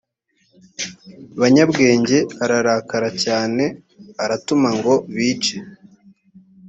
banyabwenge ararakara cyane aratuma ngo bice